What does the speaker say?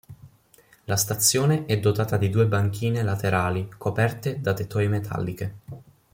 La stazione è dotata di due banchine laterali coperte da tettoie metalliche.